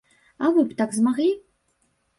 А вы б так змаглі?